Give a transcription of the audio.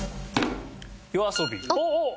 ＹＯＡＳＯＢＩおおっ！